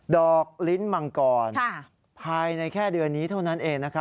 ลิ้นมังกรภายในแค่เดือนนี้เท่านั้นเอง